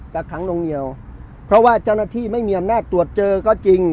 กักขังนวงเหนียวเพราะว่าเจ้าหน้าที่ไม่มีอำนาจตรวจเจอก็จริง